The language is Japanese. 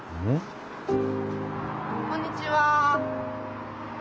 こんにちは。